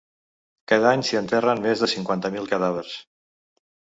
Cada any s’hi enterren més de cinquanta mil cadàvers.